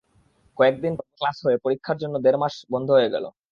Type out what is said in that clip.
কয়েক দিন ক্লাস হয়ে পরীক্ষার জন্য দেড় মাস স্কুল বন্ধ হয়ে গেল।